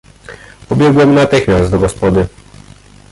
"Pobiegłem natychmiast do gospody."